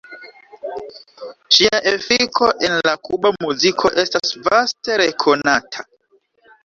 Ŝia efiko en la kuba muziko estas vaste rekonata.